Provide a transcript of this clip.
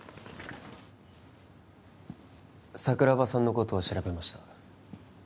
桜庭さんのことを調べました